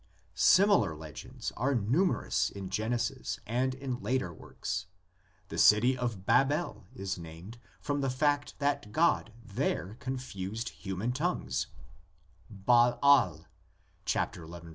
Similar legends are numerous in Genesis and in later works. The city of Babel is named from the fact that God there confused human tongues (palal, xi.